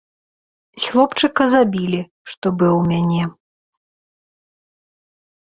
І хлопчыка забілі, што быў у мяне.